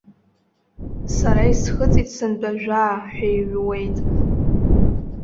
Сара исхыҵит сынтәа жәаа ҳәа иҩуеит.